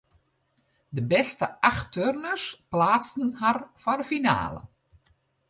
De bêste acht turners pleatsten har foar de finale.